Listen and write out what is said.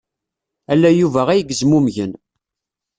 Ala Yuba ay yezmumgen.